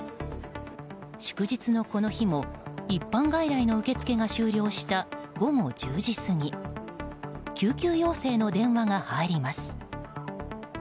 祝日のこの日も一般外来の受付が終了した午後１０時過ぎ救急要請の電話が入ります。